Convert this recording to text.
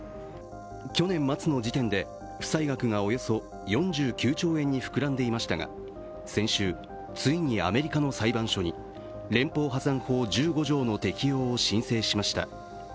去年末の時点で負債額がおよそ４９兆円に膨らんでいましたが、先週、ついにアメリカの裁判所に連邦破産法１５条の適用を申請しました。